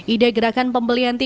ide gerakan pembelian tikus